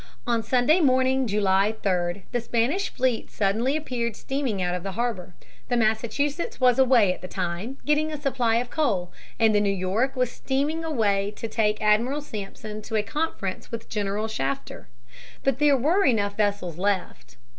On Sunday morning, July 3, the Spanish fleet suddenly appeared steaming out of the harbor. The Massachusetts was away at the time, getting a supply of coal, and the New York was steaming away to take Admiral Sampson to a conference with General Shafter. But there were enough vessels left.